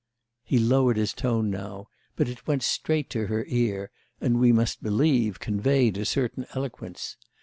He lowered his tone now, but it went straight to her ear and we must believe conveyed a certain eloquence.